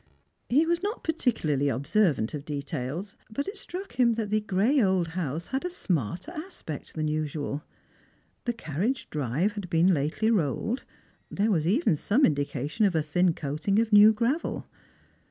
He was not particularly observant of details ; but it struck him that the gray old house had a smarter aspect than usual. The carriage drive had been lately rolled; there was even some indication of a thin coating of nev/ gravel.